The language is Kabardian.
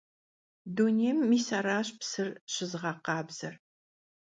Dunêym mis araş psır şızığekhabzer.